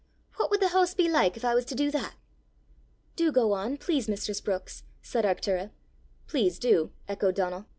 "What would the hoose be like if I was to do that!" "Do go on, please, mistress Brookes," said Arctura. "Please do," echoed Donal.